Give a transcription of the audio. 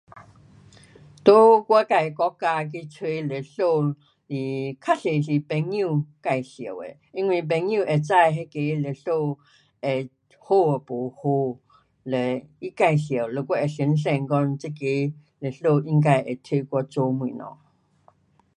在我自己的国家去找律师是，较多是朋友介绍的。因为朋友会知那个律师会好或不好，le 他介绍，le 我会相信这个律师应该会替我做东西。